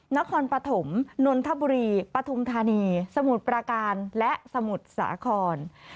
นครปฐมนนทบุรีปฐุมธานีสมุทรประการและสมุทรสาคร